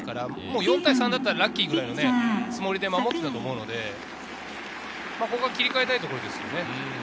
４対３だったらラッキーくらいのつもりだったと思うので、ここは切り替えたいところですね。